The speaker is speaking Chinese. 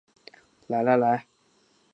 来来来